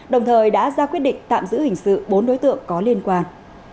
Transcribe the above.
đồng thời đã ra quyết định tạm giữ hình sự bốn đối tượng có liên quan